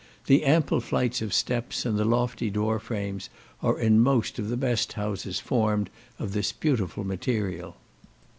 The ample flights of steps, and the lofty door frames, are in most of the best houses formed of this beautiful material.